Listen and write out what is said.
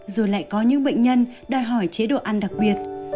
rồi lại có những bệnh nhân đòi hỏi chế độ ăn đặc biệt